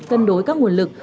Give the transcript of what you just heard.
cân đối các nguồn lực